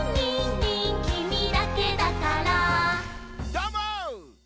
どーも！